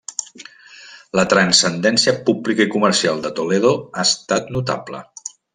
La transcendència pública i comercial de Toledo ha estat notable.